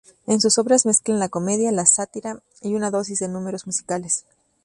En sus obras mezclan la comedia, la sátira y una dosis de números musicales.